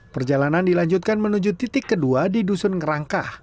perjalanan dilanjutkan menuju titik kedua di dusun ngerangkah